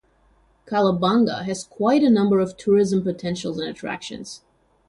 Calabanga has a quite a number of tourism potentials and attractions.